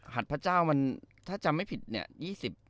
หัดพระเจ้ามันถ้าจำไม่ผิดเนี่ย